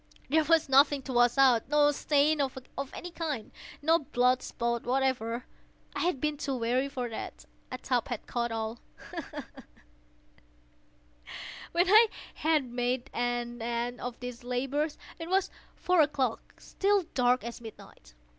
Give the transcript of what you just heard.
There was nothing to wash out—no stain of any kind—no blood spot whatever. I had been too wary for that. A tub had caught all—ha! ha! When I had made an end of these labors, it was four o'clock—still dark as midnight.